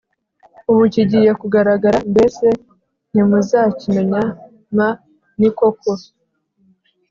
Ubu kigiye kugaragara Mbese ntimuzakimenya m Ni koko